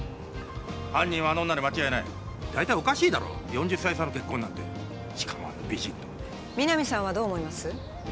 犯人はあの女に間違いない大体おかしいだろ４０歳差の結婚なんてしかもあんな美人と皆実さんはどう思います？